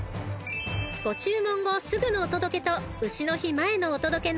［ご注文後すぐのお届けと丑の日前のお届けの２種類］